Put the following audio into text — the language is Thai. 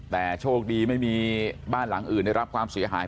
แต่โชคดีไม่มีบ้านหลังอื่นได้รับความเสียหาย